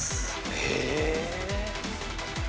へえ。